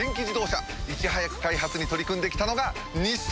いち早く開発に取り組んで来たのが日産！